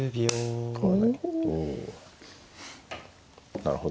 なるほど。